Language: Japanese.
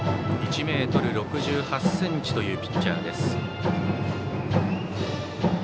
１ｍ６８ｃｍというピッチャーです。